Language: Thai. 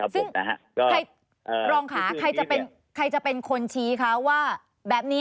ซึ่งรองค่ะใครจะเป็นคนชี้คะว่าแบบนี้